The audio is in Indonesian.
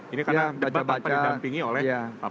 ini karena debat debat yang didampingi oleh pak pabu